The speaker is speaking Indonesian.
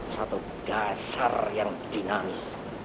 satu dasar yang dinamis